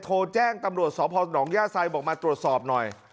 โทรแจ้งตำรวจสพหนองย่าไซดบอกมาตรวจสอบหน่อย